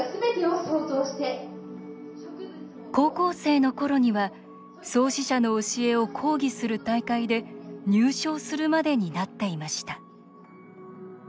高校生のころには創始者の教えを講義する大会で入賞するまでになっていました。